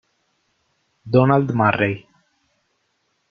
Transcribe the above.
Donald Murray